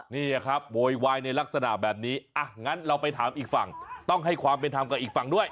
นี่ครับโวยวายในลักษณะแบบนี้อ่ะงั้นเราไปถามอีกฝั่งต้องให้ความเป็นธรรมกับอีกฝั่งด้วย